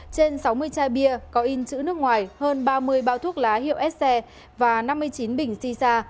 trên sáu mươi chai bia có in chữ nước ngoài hơn ba mươi bao thuốc lá hiệu sz và năm mươi chín bình sisa